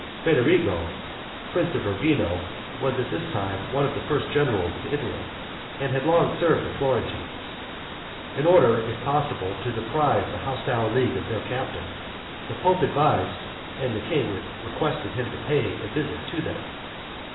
Federigo, prince of Urbino, was at this time one of the first generals of Italy; and had long served the Florentines. In order, if possible, to deprive the hostile league of their captain, the pope advised, and the king requested him to pay a visit to them.